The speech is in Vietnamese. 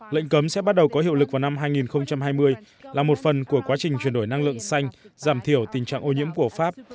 lệnh cấm sẽ bắt đầu có hiệu lực vào năm hai nghìn hai mươi là một phần của quá trình chuyển đổi năng lượng xanh giảm thiểu tình trạng ô nhiễm của pháp